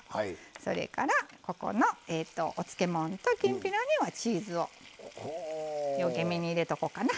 それからここのお漬物ときんぴらにはチーズをようけめに入れとこうかな。